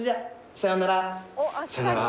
さようなら。